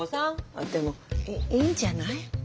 あでもいいいんじゃない？